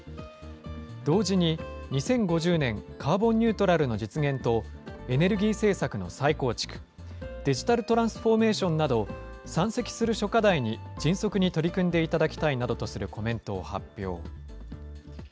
同時に２０５０年、カーボンニュートラルの実現と、エネルギー政策の再構築、デジタルトランスフォーメーションなど、山積する諸課題に迅速に取り組んでいただきたいなどとするコメントを発表。